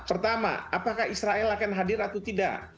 pertama apakah israel akan hadir atau tidak